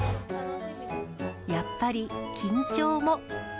やっぱり緊張も。